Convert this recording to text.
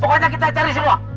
pokoknya kita cari semua